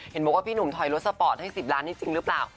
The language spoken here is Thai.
เห็นบอกว่าพี่หนุ่มถอยรถสปอร์ตให้๑๐ล้านนี่จริงหรือเปล่า